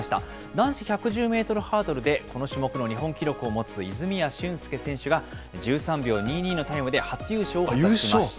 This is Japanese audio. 男子１１０メートルハードルで、この種目の日本記録を持つ、泉谷駿介選手が、１３秒２２のタイムで初優勝を果たしました。